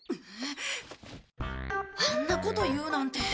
あんなこと言うなんて。